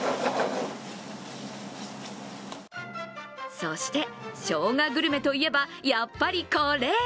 そして、しょうがグルメといえばやっぱりこれ！